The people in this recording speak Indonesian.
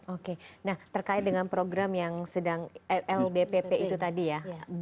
oke nah terkait dengan program yang sedang ldpp itu tadi ya